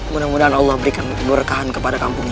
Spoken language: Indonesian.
mudah mudahan allah berikan keberkahan kepada kampung ini